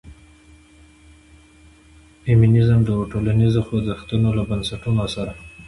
د فيمنيزم د ټولنيزو خوځښتونو له بنسټونو سره